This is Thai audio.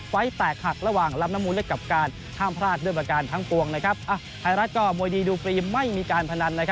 ไฟล์แตกหักระหว่างรำน้ำมูนเล็กกับการ